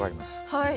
はい。